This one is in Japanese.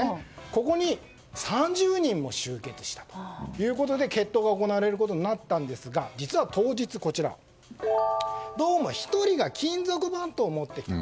ここに３０人も集結したということで決闘が行われることになったんですが実は当日、どうも１人が金属バットを持ってきた。